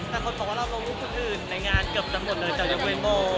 แต่คนบอกว่าเราลงรูปทุกในงานเกือบทั้งหมดเลยจากยาวเวโม